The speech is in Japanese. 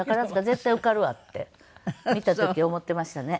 絶対受かるわって見た時思っていましたね。